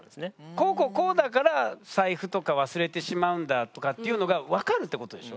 こうこうこうだから財布とか忘れてしまうんだとかっていうのが分かるってことでしょ？